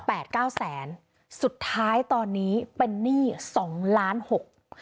เก้าแสนสุดท้ายตอนนี้เป็นหนี้สองล้านหก